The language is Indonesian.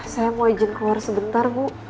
saya mau izin keluar sebentar bu